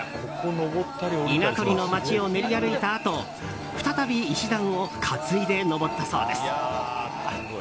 稲取の町を練り歩いたあと再び石段を担いで登ったそうです。